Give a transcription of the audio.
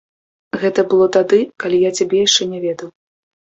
Гэта было тады, калі я цябе яшчэ не ведаў.